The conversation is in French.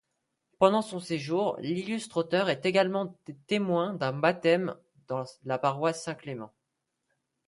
Pendant son séjour, l'illustre auteur est également témoin d'un baptême dans la paroisse Saint-Clément.